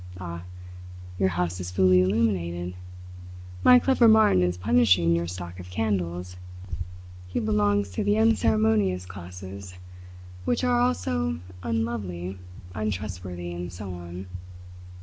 Ah, your house is fully illuminated! My clever Martin is punishing your stock of candles. He belongs to the unceremonious classes, which are also unlovely, untrustworthy, and so on."